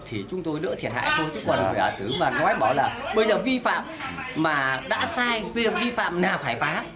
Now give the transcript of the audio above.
thì chúng tôi đỡ thiệt hại thôi chứ còn người ả sứ mà nói bảo là bây giờ vi phạm mà đã sai bây giờ vi phạm nào phải phá